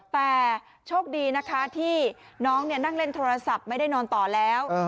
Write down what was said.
แต่โชคดีนะคะที่น้องนั่งเล่นโทรศัพท์ไม่ได้นอนต่อแล้ว